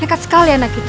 dekat sekali anak itu